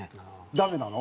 ダメなの？